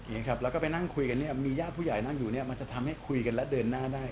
อย่างนี้ครับแล้วก็ไปนั่งคุยกันเนี่ยมีญาติผู้ใหญ่นั่งอยู่เนี่ยมันจะทำให้คุยกันและเดินหน้าได้